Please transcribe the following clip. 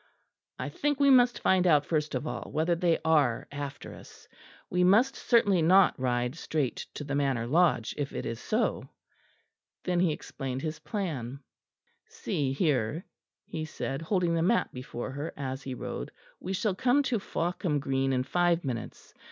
"I think we must find out first of all whether they are after us. We must certainly not ride straight to the Manor Lodge if it is so." Then he explained his plan. "See here," he said, holding the map before her as he rode, "we shall come to Fawkham Green in five minutes.